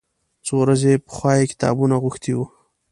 څو ورځې پخوا یې کتابونه غوښتي و.